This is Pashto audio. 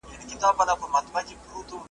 غونډې د نظر تبادله اسانه کوي.